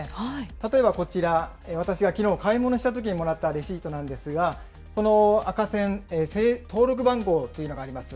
例えばこちら、私がきのう買い物したときにもらったレシートなんですが、この赤線、登録番号というのがあります。